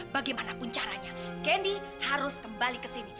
bagaimanapun caranya kendi harus kembali ke sini